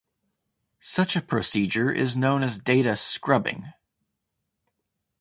Such a procedure is known as data "scrubbing".